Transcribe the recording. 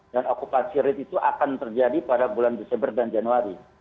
dan okupasi rate itu akan terjadi pada bulan desember dan januari